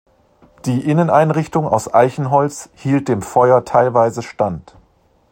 Die Inneneinrichtung aus Eichenholz hielt dem Feuer teilweise stand.